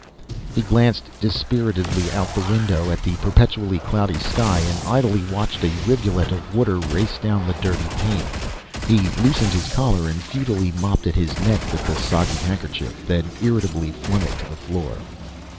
He glanced dispiritedly out the window at the perpetually cloudy sky and idly watched a rivulet of water race down the dirty pane. He loosened his collar and futilely mopped at his neck with the soggy handkerchief, then irritably flung it to the floor.